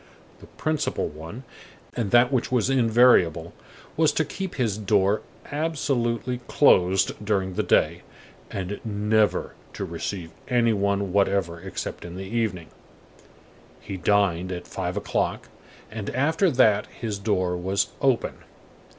The principal one, and that which was invariable, was to keep his door absolutely closed during the day, and never to receive any one whatever except in the evening. He dined at five o'clock, and after that his door was open.